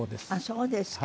そうですか。